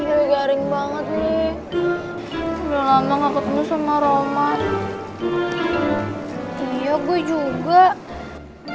udah mu k bam